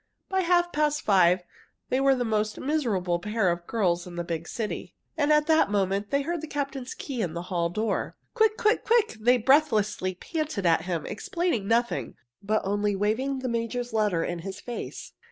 By half past five they were the most miserable pair of girls in the big city. And at that moment, they heard the captain's key in the hall door. "Quick! quick! quick!" they breathlessly panted at him, explaining nothing, but only waving the major's letter in his face.